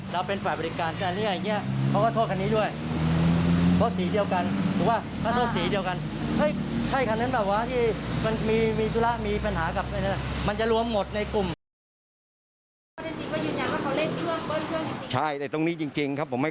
แต่ว่าเขาเคยเจอทางก่อนก็หับว่า